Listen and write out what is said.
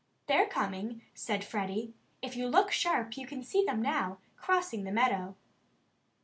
"They're coming," said Freddie. "If you look sharp you can see them now, crossing the meadow."